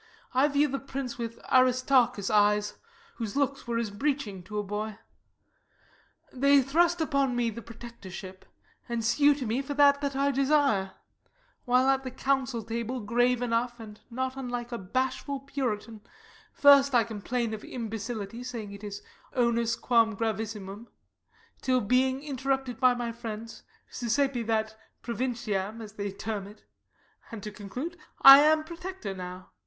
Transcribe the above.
I view the prince with Aristarchus' eyes, Whose looks were as a breeching to a boy. They thrust upon me the protectorship, And sue to me for that that I desire; While at the council table, grave enough, And not unlike a bashful puritan, First I complain of imbecility, Saying it is onus quam gravissimum; Till, being interrupted by my friends, Suscepi that provinciam, as they term it; And, to conclude, I am Protector now.